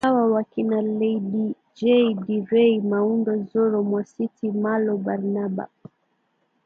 hawa wakina Lady Jay Dee Ray Maunda Zorro Mwasiti Marlaw Barnaba